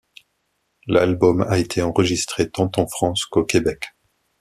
L'album a été enregistré tant en France qu'au Québec.